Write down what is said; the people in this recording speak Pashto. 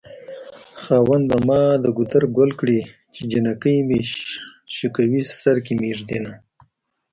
خاونده ما دګودر ګل کړی چې جنکي مې شوکوی سرکې مې ږد ينه